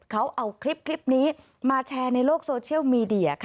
เขาเอาคลิปนี้มาแชร์ในโลกโซเชียลมีเดียค่ะ